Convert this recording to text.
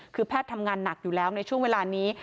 คือแพทย์ทำงานหนักอยู่แล้วในช่วงเวลานี้